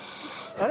あれ？